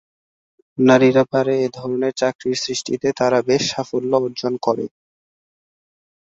নারীরা পারে এধরনের চাকরির সৃষ্টিতে তারা বেশ সাফল্য অর্জন করে।